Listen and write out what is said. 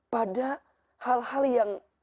pada hal hal yang